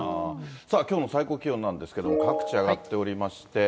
きょうの最高気温なんですけど、各地上がっておりまして。